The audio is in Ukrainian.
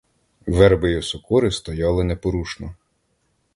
Верби й осокори стояли непорушно.